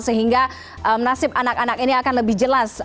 sehingga nasib anak anak ini akan lebih jelas